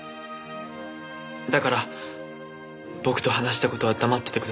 だから僕と話した事は黙っててください。